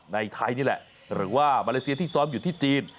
ไทยนี่แหละหรือว่ามาเลเซียที่ซ้อมอยู่ที่จีน